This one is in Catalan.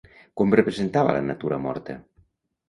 Com representava la natura morta?